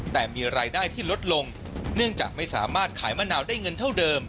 แต่มีรายได้ที่ลดลงเนื่องจากไม่สามารถขายมะนาวได้เงินเท่าเดิม